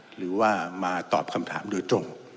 หรือว่ามาตอบคำถามโดยตรง